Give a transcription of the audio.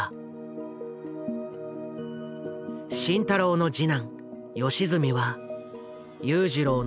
慎太郎の次男良純は裕次郎の人生